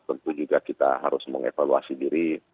tentu juga kita harus mengevaluasi diri